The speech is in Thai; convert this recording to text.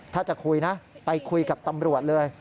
ถ้าจะคุยนะไปคุยกับตำรวจเลย